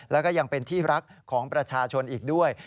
แล้วก็ยังเป็นที่รักของประชาชนอีกด้วย